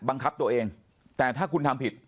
บังคับตัวเองแต่ถ้าคุณทำผิด